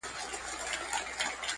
او وطن ميشتو ته به نصحت کوو